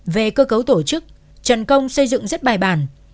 về cơ cấu tổ chức trần công xây dựng rất bài bản